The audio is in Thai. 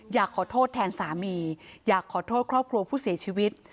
อยากขอโทษแทนสามีอยากขอโทษครอบครัวผู้เสียชีวิต